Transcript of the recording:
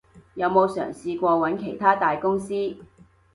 有冇嘗試過揾其它大公司？